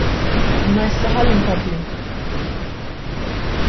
Imma issa ħalli nkompli.